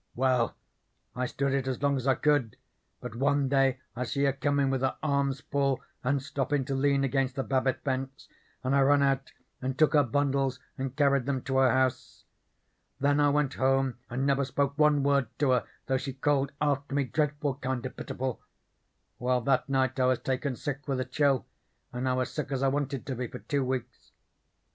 Well, I stood it as long as I could, but one day I see her comin' with her arms full and stoppin' to lean against the Babbit fence, and I run out and took her bundles and carried them to her house. Then I went home and never spoke one word to her though she called after me dreadful kind of pitiful. Well, that night I was taken sick with a chill, and I was sick as I wanted to be for two weeks.